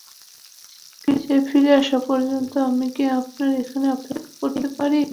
সে ফিরে আসা পর্যন্ত আমি কি আপনার এখানে অপেক্ষা করতে পারি?